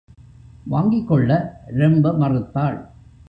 வாங்கிக் கொள்ள ரொம்ப மறுத்தாள்.